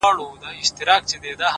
هيواد مي هم په ياد دى ـ